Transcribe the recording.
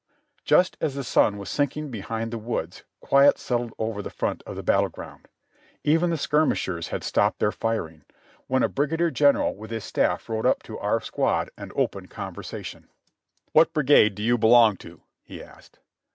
Just as the sun was sinking behind the woods, quiet settled over the front of the battle ground ; even the skirmishers had stopped their firing, when a brigadier general with his staff rode up to our squad and opened conversation: 13 194 JOHNNY RF,B AND BII^T^Y YANK "What brigade do you belong to?" he asked.